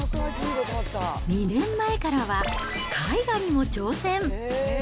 ２年前からは絵画にも挑戦。